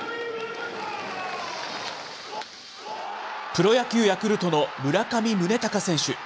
プロ野球・ヤクルトの村上宗隆選手。